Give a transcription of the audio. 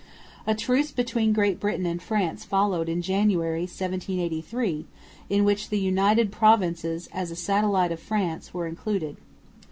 A truce between Great Britain and France followed in January, 1783, in which the United Provinces, as a satellite of France, were included.